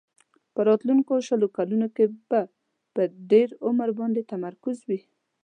په راتلونکو شلو کلونو کې به په ډېر عمر باندې تمرکز وي.